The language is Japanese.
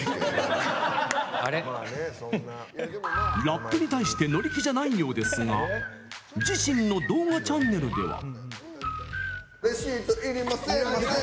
ラップに対して乗り気じゃないようですが自身の動画チャンネルでは。